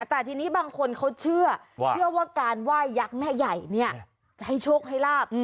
แต่ทีนี้บางคนเขาเชื่อว่าการไหว้ยักษ์แม่ใหญ่เนี่ยจะให้โชคให้ลาบ